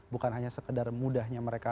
bukan hanya sekedar mudahnya mereka